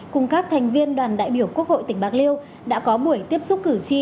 cùng các thành viên đoàn đại biểu quốc hội tỉnh bạc liêu đã có buổi tiếp xúc cử tri